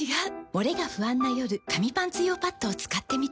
モレが不安な夜紙パンツ用パッドを使ってみた。